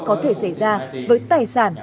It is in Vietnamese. có thể xảy ra với tài sản